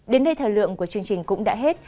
đến đây thời lượng của chương trình cũng đã hết